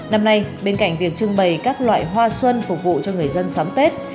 năm nay bên cạnh việc trưng bày các loại hoa xuân phục vụ cho người dân xóm tết